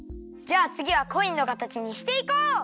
じゃあつぎはコインのかたちにしていこう！